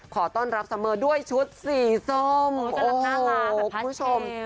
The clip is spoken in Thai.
ขอต้อนรับเสมอด้วยชุดสีส้มโอ้โหคุณผู้ชม